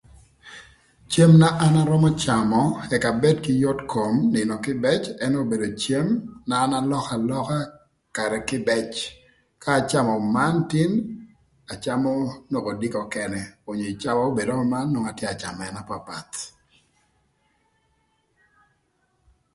Cem na an arömö camö ëk abed kï yot kom nïnö kïbëc ënë obedo cem na an alökalöka karë kïbëc ka acamö man tin acamö dök odiko ökënë onyo n'obedo köman man nwongo atye ka camö ënë apapath.